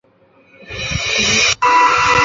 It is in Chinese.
原籍无锡。